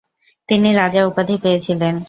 তিনি রাজা উপাধি পেয়েছিলেন।